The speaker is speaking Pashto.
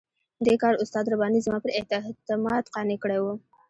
دې کار استاد رباني زما پر اعتماد قانع کړی وو.